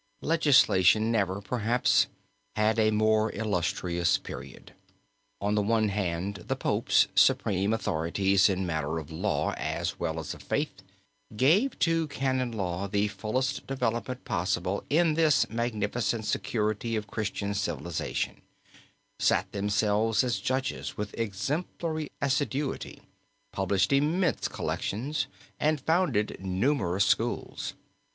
] "Legislation never, perhaps, had a more illustrious period. On the one hand, the Popes, supreme authorities in matters of law as well as of faith, gave to canon law the fullest development possible to this magnificent security of Christian civilization; sat themselves as judges with exemplary assiduity, published immense collections, and founded numerous schools.